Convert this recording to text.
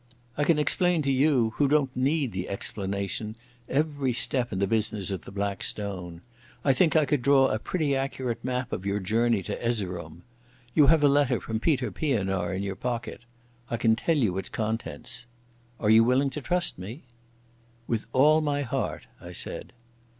I can explain to you who don't need the explanation, every step in the business of the Black Stone. I think I could draw a pretty accurate map of your journey to Erzerum. You have a letter from Peter Pienaar in your pocket—I can tell you its contents. Are you willing to trust me?" "With all my heart," I said.